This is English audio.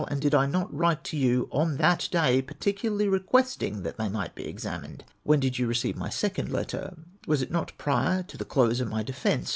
and did I not write to you on that day, particidarly requesting tliat they might be examined ? When did you receive my second letter ? Was it not prior to the close of my defence